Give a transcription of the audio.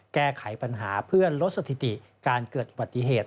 แก้ไขปัญหาเพื่อลดสถิติการเกิดอุบัติเหตุ